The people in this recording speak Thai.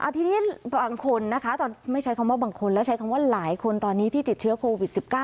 ทีนี้บางคนนะคะตอนไม่ใช้คำว่าบางคนแล้วใช้คำว่าหลายคนตอนนี้ที่ติดเชื้อโควิด๑๙